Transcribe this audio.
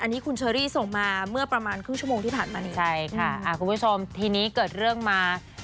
อันนี้คุณเชอรี่ส่งมาเมื่อประมาณครึ่งชั่วโมงที่ผ่านมานี้ใช่ค่ะอ่าคุณผู้ชมทีนี้เกิดเรื่องมา